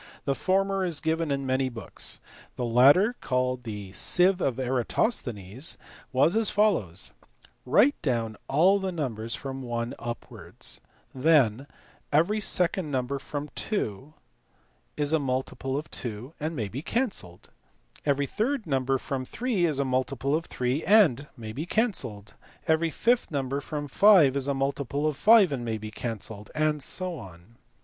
The former is given in many books. The latter, called the " sieve of Eratosthenes," was as follows: write down all the numbers from 1 upwards; then every second number from 2 is a multiple of 2 and may be cancelled; every third number from 3 is a multiple of 3 and may be cancelled; every fifth number from 5 is a multiple of 5 and may be cancelled; and so on.